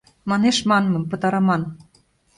Манеш-манмым пытарыман.